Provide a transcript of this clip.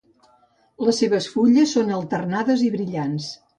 Les seves fulles són alternades i brillants.